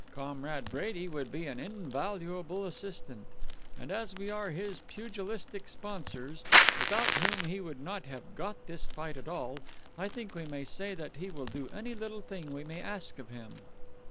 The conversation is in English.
Comrade Brady would be an invaluable assistant. And as we are his pugilistic sponsors, without whom he would not have got this fight at all, I think we may say that he will do any little thing we may ask of him."